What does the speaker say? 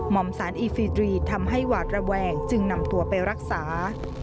อมสารอีฟีตรีทำให้หวาดระแวงจึงนำตัวไปรักษา